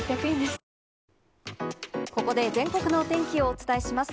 ここで全国のお天気をお伝えします。